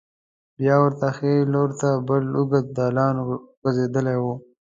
بیا ورته ښې لور ته بل اوږد دالان غوځېدلی و.